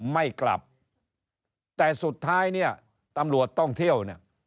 ไม่กลับแต่สุดท้ายเนี่ยตำรวจท่องเที่ยวเนี่ย